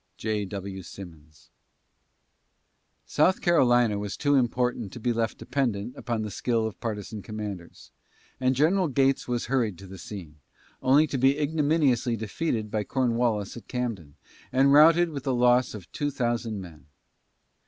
J. W. SIMMONS. South Carolina was too important to be left dependent upon the skill of partisan commanders, and General Gates was hurried to the scene, only to be ignominiously defeated by Cornwallis at Camden, and routed with a loss of two thousand men.